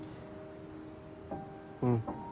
うん。